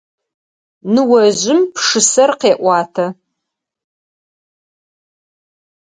Ныожъым пшысэр къеӏуатэ.